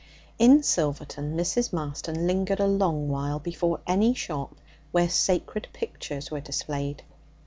In Silverton Mrs. Marston lingered a long while before any shop where sacred pictures were displayed.